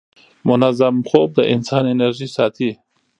منظم خوب د انسان انرژي ساتي.